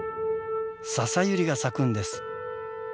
ササユリが咲くんです。